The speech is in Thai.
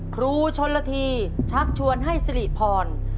ครูชนละทีชักชวนให้สิริพร